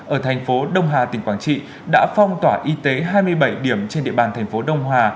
ở thành phố đông hà tỉnh quảng trị đã phong tỏa y tế hai mươi bảy điểm trên địa bàn thành phố đông hà